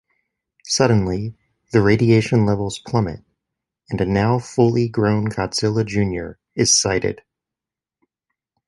Suddenly, the radiation levels plummet and a now fully grown Godzilla Junior is sighted.